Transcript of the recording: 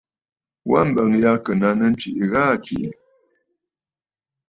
Wa mbəŋ yâ ɨ̀ kɨ nàŋsə ntwìʼi gha aa tswìʼì.